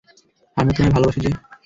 আমি তোমায় ভালোবাসি যে।